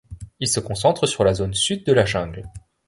Il se concentre sur la zone sud de la Jungle.